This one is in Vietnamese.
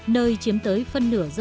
nơi chiếm tới phân nửa dân dân